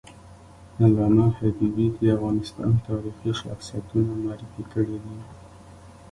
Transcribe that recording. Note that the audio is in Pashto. علامه حبیبي د افغانستان تاریخي شخصیتونه معرفي کړي دي.